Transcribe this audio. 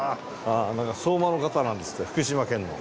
なんか相馬の方なんですって福島県の。